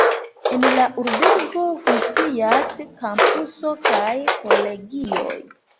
En la urbego funkcias kampuso kaj kolegioj.